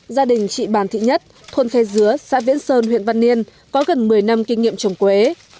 gia đình chị bàn thị nhất thôn khe dứa xã viễn sơn huyện văn yên có gần một mươi năm kinh nghiệm trồng quế